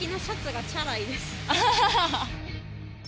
ハハハハ！